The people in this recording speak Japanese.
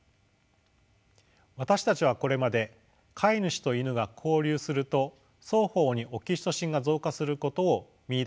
私たちはこれまで飼い主とイヌが交流すると双方にオキシトシンが増加することを見いだしてきました。